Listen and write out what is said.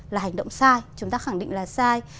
là hành động sai chúng ta khẳng định là sai